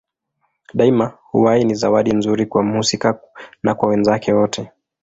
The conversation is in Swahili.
Daima uhai ni zawadi nzuri kwa mhusika na kwa wenzake wote.